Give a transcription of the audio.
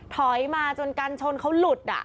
ถอยมาจนกันชนเขาหลุด